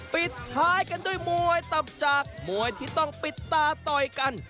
ปิดท้ายกันด้วยมวยตับจากมวยที่ต้องปิดตาต่อยกัน